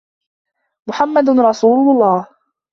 محمد رسول الله